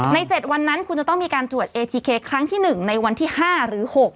ในเจ็ดวันนั้นคุณจะต้องมีการตรวจเอทีเคครั้งที่หนึ่งในวันที่ห้าหรือหก